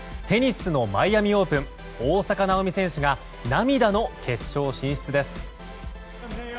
テニスのマイアミ・オープン大坂なおみ選手が涙の決勝進出です。